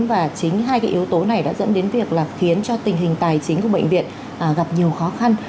và chính hai cái yếu tố này đã dẫn đến việc là khiến cho tình hình tài chính của bệnh viện gặp nhiều khó khăn